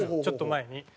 ちょっと前に。